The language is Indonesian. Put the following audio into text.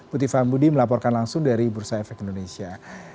putih faham budi melaporkan langsung dari bursa efek indonesia